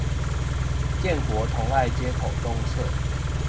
建國同愛街口東側